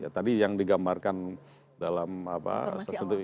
tadi yang digambarkan dalam informasi awal ini